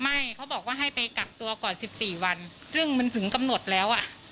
ไม่เขาบอกว่าให้ไปกักตัวก่อน๑๔วันซึ่งมันถึงกำหนดแล้วอ่ะ